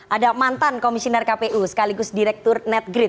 ada mantan komisioner kpu sekaligus direktur netgrid